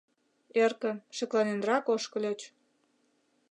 Эркын, шекланенрак ошкыльыч.